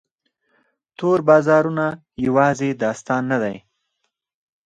تور بازارونه یوازینی داستان نه دی.